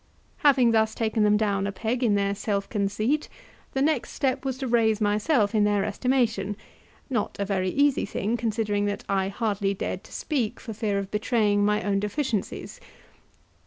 Having thus taken them down a peg in their self conceit, the next step was to raise myself in their estimation; not a very easy thing, considering that I hardly dared to speak for fear of betraying my own deficiencies.